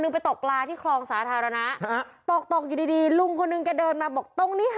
น้องทรายวิวตัวต่อเหมือนเจ้านี้